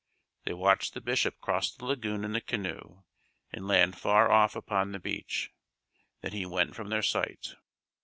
They watched the Bishop cross the lagoon in the canoe and land far off upon the beach. Then he went from their sight.